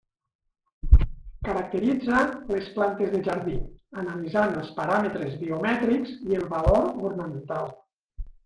Caracteritza les plantes de jardí, analitzant els paràmetres biomètrics i el valor ornamental.